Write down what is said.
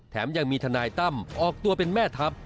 ยังมีทนายตั้มออกตัวเป็นแม่ทัพ